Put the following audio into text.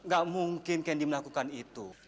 gak mungkin kendi melakukan itu